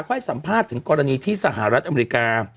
ให้สัมภาษณ์ถึงกรณีที่สหรัฐอเมริกา